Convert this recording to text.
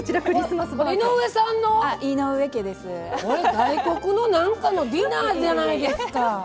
外国の何かのディナーじゃないですか。